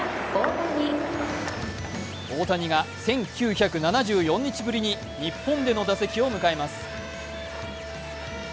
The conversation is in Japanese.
大谷が１９７４日ぶりに日本での打席を迎えます。